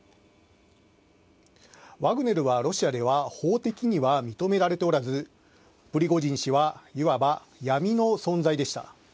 ワグネルはロシアでは法的には認められてはおらずプリゴジン氏はいわば、闇の存在でした。